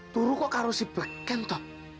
turu kok harus di beken toh